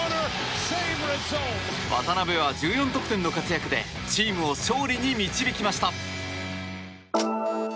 渡邊は１４得点の活躍でチームを勝利に導きました。